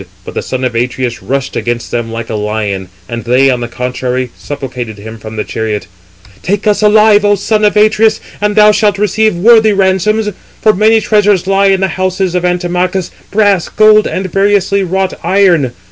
But the son of Atreus rushed against them like a lion, and they, on the contrary, supplicated [him] from the chariot: "Take us alive, O son of Atreus, and thou shalt receive worthy ransoms. For many treasures lie in the houses of Antimachus, brass, gold, and variously wrought iron.